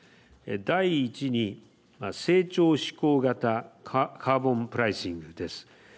第１に、成長志向型カーボンプライシングです。